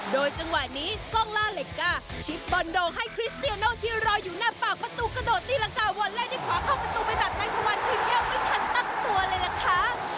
โดยจังหวะนี้กล้องล่าเหล็กก้าชิพบอนดองให้คริสเตียอนอลที่รอยอยู่หน้าเปากประตูกระโดดติรังกาววนและได้ขวาเข้าประตูไปตัดใต้ทะวันทีมเย็นไม่ทันตั้งตัวเลยล่ะคะ